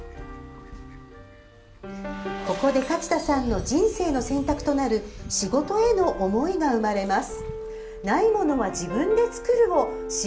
ここで勝田さんの「人生の選択」となる仕事への思いが生まれます。